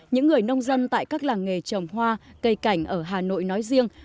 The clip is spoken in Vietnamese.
những người nông dân tại các làng nghề trồng hoa cây cảnh ở hà nội nói riêng